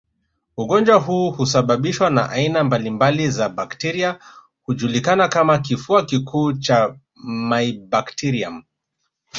Ugonjwa huu husababishwa na aina mbalimbali za bakteria hujulikana kama kifua kikuu cha mybacterium